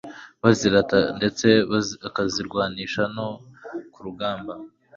bazirata ndetse bakazirwanisha no ku rugamba.